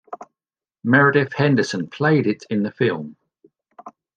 Meredith Henderson played it in the film.